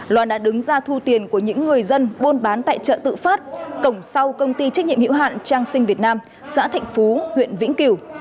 loan đã đứng ra thu tiền của những người dân buôn bán tại chợ tự phát cổng sau công ty trách nhiệm hiệu hạn trang sinh việt nam xã thạnh phú huyện vĩnh cửu